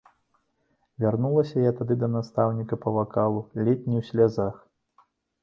Вярнулася я тады да настаўніка па вакалу ледзь не ў слязах.